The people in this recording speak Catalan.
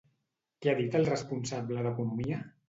Què ha dit el responsable d'Economia?